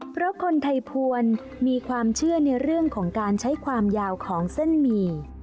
เพราะคนไทยพวนมีความเชื่อในเรื่องของการใช้ความยาวของเส้นหมี่